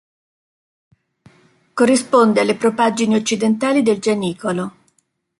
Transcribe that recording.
Corrisponde alle propaggini occidentali del Gianicolo.